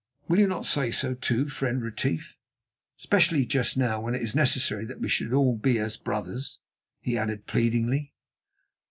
Will you not say so, too, friend Retief, especially just now when it is necessary that we should all be as brothers?" he added pleadingly.